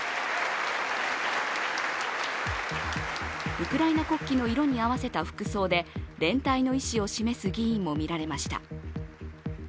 ウクライナ国旗の色に合わせた服装で連帯の意思を示す議員も見られました。